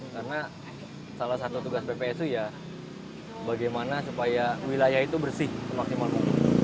karena salah satu tugas ppsu ya bagaimana supaya wilayah itu bersih semaksimal mungkin